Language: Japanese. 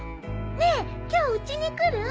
ねえ今日うちに来る？